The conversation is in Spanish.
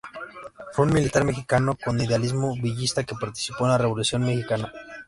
Fue un militar mexicano con idealismo villista que participó en la Revolución mexicana.